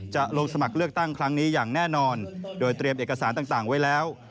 จะลงสมัครเลือกตั้งครั้งนี้อย่างแน่นอนโดยเตรียมเอกสารต่างไว้แล้ว